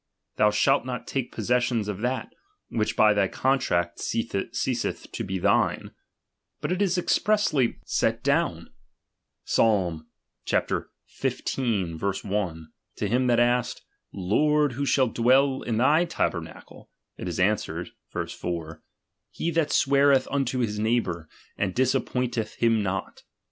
'^' Thou shalt not take possession of that, which by thy contract ceaseth to be thine: but it is expressly ily j thuktU I . set down ? Psalm xv. 1 : to him that asked. Lord who shall dwell in thy tabernacle ? it is answered (verse 4) : He that sweareth unto his neighbour, and disappointeth him not.